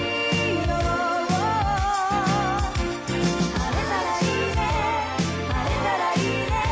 「晴れたらいいね晴れたらいいね」